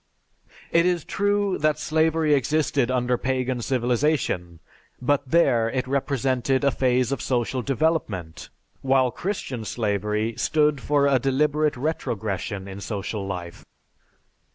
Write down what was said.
It is true that slavery existed under Pagan civilization, but there it represented a phase of social development, while Christian slavery stood for a deliberate retrogression in social life.